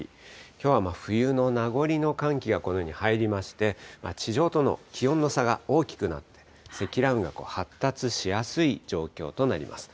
きょうは冬の名残の寒気がこのように入りまして、地上との気温の差が大きくなって、積乱雲が発達しやすい状況となります。